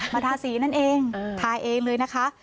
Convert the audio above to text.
ทาสีนั่นเองทาเองเลยนะคะ